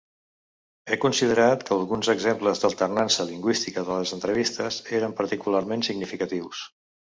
He considerat que alguns exemples d'alternança lingüística de les entrevistes eren particularment significatius.